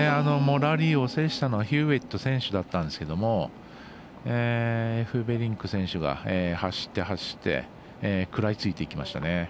ラリーを制したのはヒューウェット選手だったんですけどエフベリンク選手が走って、走って食らいついていきましたね。